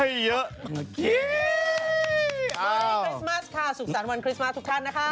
วันนี้คริสต์มัสค่ะสุขสรรค์วันคริสต์มาสทุกท่านนะคะ